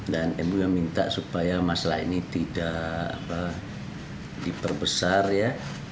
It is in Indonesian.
dan mui meminta supaya masalah ini tidak diperbesar ya